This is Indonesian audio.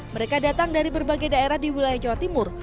mereka datang dari berbagai daerah di wilayah jawa timur